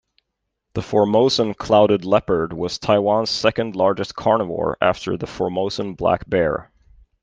The Formosan clouded leopard was Taiwan's second-largest carnivore, after the Formosan black bear.